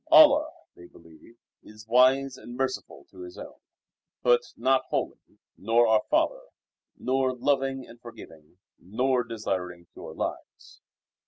Allah (they believe) is wise and merciful to His own, but not holy, nor our Father, nor loving and forgiving, nor desiring pure lives.